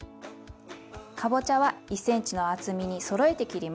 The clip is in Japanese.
かぼちゃは１ｃｍの厚みにそろえて切ります。